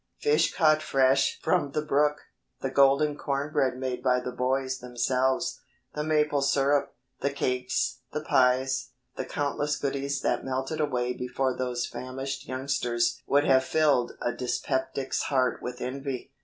Fish caught fresh from the brook, the golden corn bread made by the boys themselves, the maple syrup, the cakes, the pies, the countless goodies that melted away before those famished youngsters would have filled a dyspeptic's heart with envy.